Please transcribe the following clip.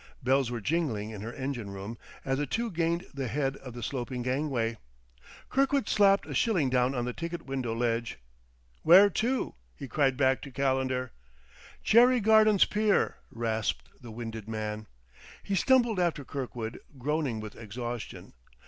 Bells were jingling in her engine room as the two gained the head of the sloping gangway. Kirkwood slapped a shilling down on the ticket window ledge. "Where to?" he cried back to Calendar. "Cherry Gardens Pier," rasped the winded man. He stumbled after Kirkwood, groaning with exhaustion.